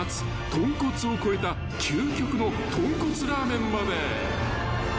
豚骨を超えた究極の豚骨ラーメンまで］